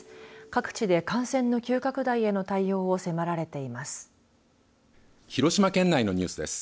各地で感染の急拡大への対応を迫られています。